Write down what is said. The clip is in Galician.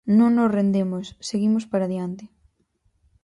Non nos rendemos, seguimos para diante.